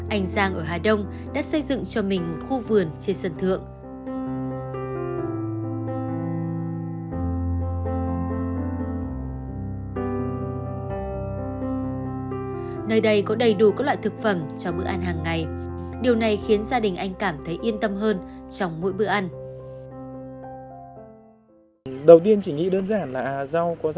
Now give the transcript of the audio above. anh giang ở hà đông đã xây dựng cho mình khu vườn trên sân thượng